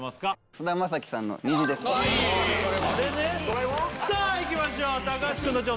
菅田将暉さんの「虹」ですさあいきましょう高橋くんの挑戦